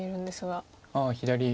ああ左上。